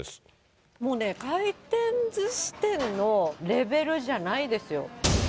もうね、回転ずし店のレベルじゃないですよ。